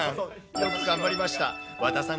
よく頑張りました。